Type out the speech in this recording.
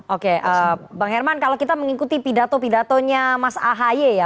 oke bang herman kalau kita mengikuti pidato pidatonya mas ahy ya